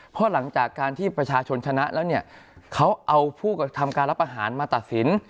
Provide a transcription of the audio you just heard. เพราะหลังจากการที่ประชาชนชนะแล้วเนี่ยเขาเอาผู้กระทำการรับอาหารมาตัดสิน